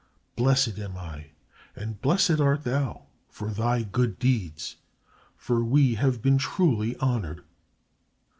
Blessed am I, and blessed art thou for thy good deeds, for we have been truly honored."